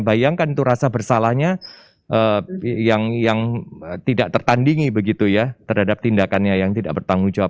bayangkan itu rasa bersalahnya yang tidak tertandingi begitu ya terhadap tindakannya yang tidak bertanggung jawab